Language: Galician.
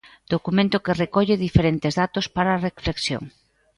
Documento que recolle diferentes datos para a reflexión.